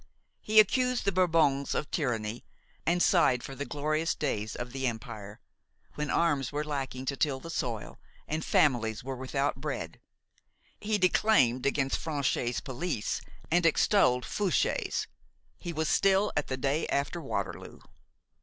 He accused the Bourbons of tyranny and sighed for the glorious days of the Empire, when arms were lacking to till the soil and families were without bread. He declaimed against Franchet's police and extolled Fouché's. He was still at the day after Waterloo.